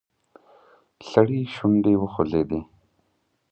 سړي شونډې وخوځېدې.